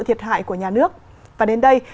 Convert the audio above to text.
thiệt hại của nhà nước và đến đây